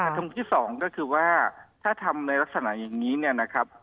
ตรงที่สองก็คือว่าถ้าทำในลักษณะอย่างนี้เนี่ยนะครับ